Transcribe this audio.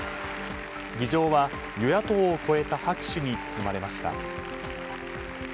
議場は、与野党を超えた拍手に包まれました。